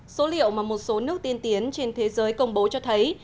số liệu mà một số nước tiên tiến trên thế giới công bố cho thấy